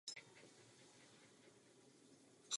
Tržní nástroje mají svou úlohu.